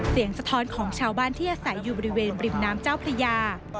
สะท้อนของชาวบ้านที่อาศัยอยู่บริเวณริมน้ำเจ้าพระยา